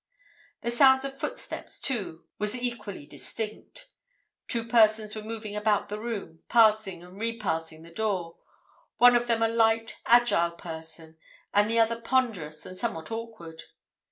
"The sound of footsteps, too, was equally distinct. Two persons were moving about the room, passing and repassing the door, one of them a light, agile person, and the other ponderous and somewhat awkward.